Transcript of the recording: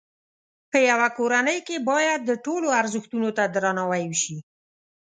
په یوه کورنۍ کې باید د ټولو ازرښتونو ته درناوی وشي.